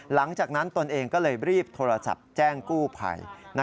หลังจากนั้นตนเองก็เลยรีบโทรศัพท์แจ้งกู้ภัย